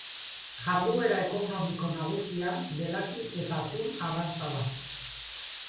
Jarduera ekonomiko nagusia belaki eta atun arrantza da.